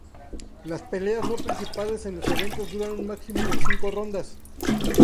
Las peleas no principales en los eventos duran un máximo de cinco rondas.